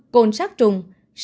năm côn sát trùng